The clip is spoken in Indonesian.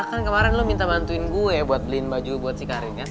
kan kemarin lo minta bantuin gue buat beliin baju buat si karen kan